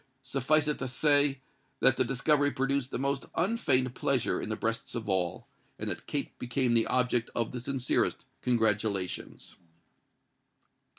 Suffice it to say, that the discovery produced the most unfeigned pleasure in the breasts of all, and that Kate became the object of the sincerest congratulations.